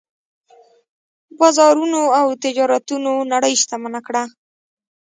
بازارونو او تجارتونو نړۍ شتمنه کړه.